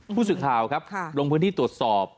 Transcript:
ผู้สื่อข่าวครับลงพื้นที่ตรวจสอบ